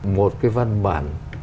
một cái văn bản